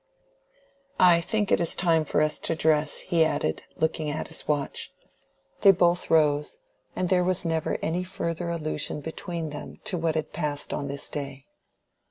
"I think it is time for us to dress," he added, looking at his watch. They both rose, and there was never any further allusion between them to what had passed on this day.